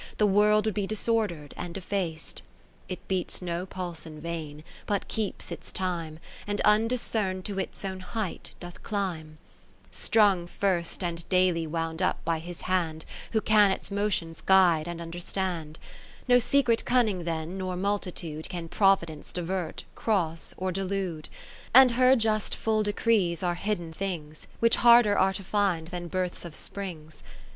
The World would be disorder'd and defac'd. 2c It beats no pulse in vain, but keeps its time, And undiscern'd to its own height doth climb ;( 567 ) See Appendix, first Song from Pontpey. Kath erine Philips Strung first and daily wound up by His hand Who can its motions guide and understand. No secret cunning then nor multi tude Can Providence divert, cross or delude. And her just full decrees are hidden things, Which harder are to find than births of springs.